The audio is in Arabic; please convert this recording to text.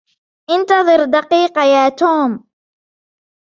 إنتظر دقيقة, يا توم!